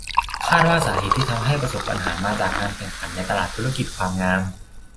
คาดว่าสาเหตุที่ทำให้ประสบปัญหามาจากการแข่งขันในตลาดธุรกิจความงาม